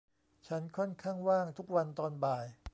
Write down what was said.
ฉันค่อนข้างว่างทุกวันตอนบ่าย